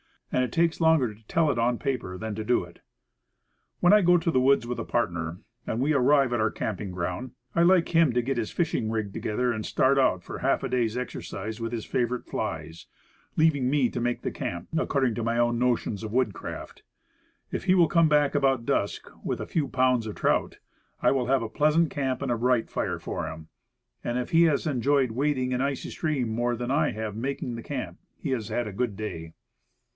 And it takes longer to tell it on paper than to do it. When I go to the woods with a partner, and we 34 Woodcraft. arrive at our camping ground, I like him to get his fishing rig together, and start out for a half day's exercise with his favorite flies, leaving me to make the camp according to my own notions of woodcraft. If he will come back about dusk with a few pounds of trout, I will have a pleasant camp and a bright fire for him. And if he has enjoyed wading an icy stream more than I have making the camp he has had a good day.